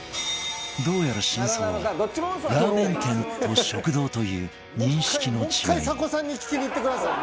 どうやら真相は「ラーメン店」と「食堂」という認識の違い